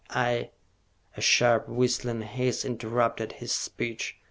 I " A sharp, whistling hiss interrupted his speech.